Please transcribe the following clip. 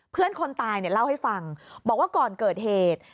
คนตายเล่าให้ฟังบอกว่าก่อนเกิดเหตุ